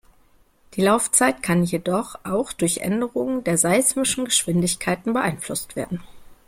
Die Laufzeit kann jedoch auch durch Änderungen der seismischen Geschwindigkeiten beeinflusst werden.